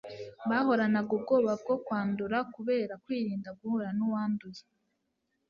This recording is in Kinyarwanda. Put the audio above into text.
Bahoranaga ubwoba bwo kwandura. Kubera kwirinda guhura “n’uwanduye”,